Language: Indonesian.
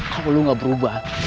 kalau lo gak berubah